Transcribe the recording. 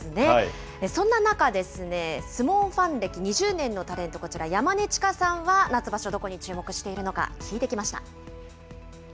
そんな中ですね、相撲ファン歴２０年のタレント、こちら山根千佳さんは夏場所どこに注目しているのか聞いてきました。